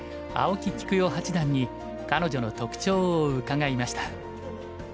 青木喜久代八段に彼女の特徴を伺いました。